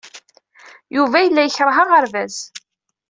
Yuba yella yekṛeh aɣerbaz.